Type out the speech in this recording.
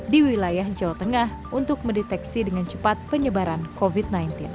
di wilayah jawa tengah untuk mendeteksi dengan cepat penyebaran covid sembilan belas